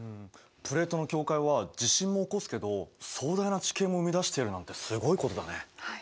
プレートの境界は地震も起こすけど壮大な地形も生み出しているなんてすごいことだね。